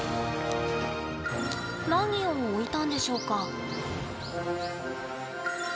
何を置いたんでしょうか？